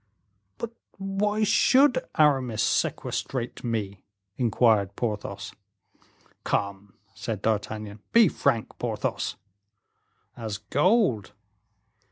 "But why should Aramis sequestrate me?" inquired Porthos. "Come," said D'Artagnan, "be frank, Porthos." "As gold."